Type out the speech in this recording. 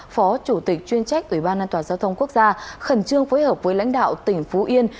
phó chủ tịch chuyên trách ủy ban an toàn giao thông quốc gia khẩn trương phối hợp với lãnh đạo tỉnh phú yên